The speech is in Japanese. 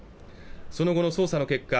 その後の捜査の結果